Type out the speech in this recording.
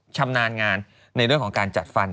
ชำนาญงานในเรื่องของการจัดฟัน